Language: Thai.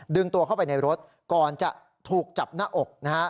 ตัวเข้าไปในรถก่อนจะถูกจับหน้าอกนะฮะ